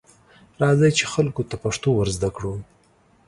راځئ، چې خلکو ته پښتو ورزده کړو.